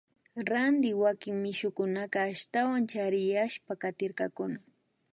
Ranti wakin mishukunaka ashtawan chariyashpa katirkakuna